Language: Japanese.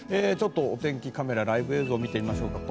ちょっと、お天気カメラライブ映像を見てみましょう。